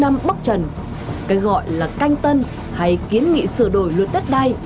hội nghị trung ương năm bất trần cái gọi là canh tân hay kiến nghị sửa đổi luật đất đai